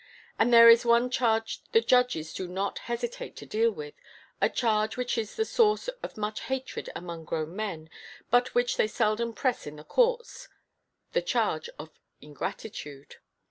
And there is one charge the judges do not hesitate to deal with, a charge which is the source of much hatred among grown men, but which they seldom press in the courts, the charge of ingratitude.